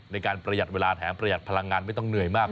ในการประหยัดเวลาแถมประหยัดพลังงานไม่ต้องเหนื่อยมาก